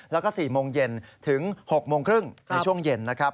แล้วก็๔โมงเย็นถึง๖โมงครึ่งในช่วงเย็นนะครับ